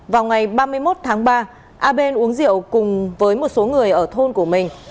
vào ngày ba mươi một tháng ba a bên uống rượu cùng với một số người ở thôn của mình